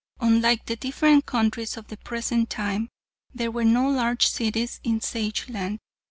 "Unlike the different countries of the present time, there were no large cities in Sageland.